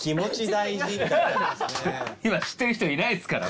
今知ってる人いないですからもう。